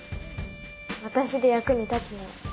私で役に立つなら。